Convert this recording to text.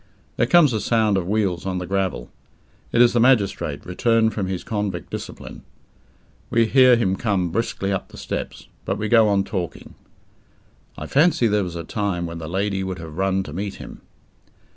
There comes a sound of wheels on the gravel. It is the magistrate returned from his convict discipline. We hear him come briskly up the steps, but we go on talking. (I fancy there was a time when the lady would have run to meet him.)